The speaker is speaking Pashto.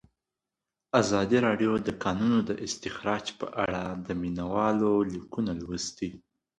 ازادي راډیو د د کانونو استخراج په اړه د مینه والو لیکونه لوستي.